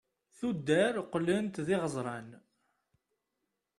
tuddar qlent d iɣeẓran